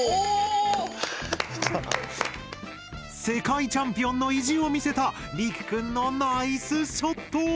世界チャンピオンの意地を見せたりくくんのナイスショット！